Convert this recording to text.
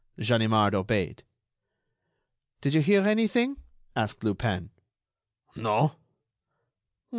Ganimard obeyed. "Did you hear anything?" asked Lupin. "No."